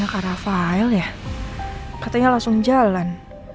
mana kak rafael ya katanya langsung jalan